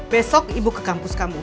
besok ibu ke kampus kamu